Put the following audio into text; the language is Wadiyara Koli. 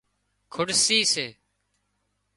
کُڙسي سي